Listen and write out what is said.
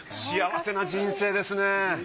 幸せな人生ですね。